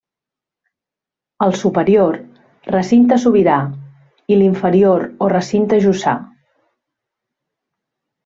El superior, recinte sobirà i l'inferior o recinte jussà.